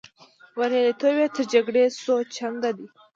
بریالیتوب یې تر جګړې څو چنده دی.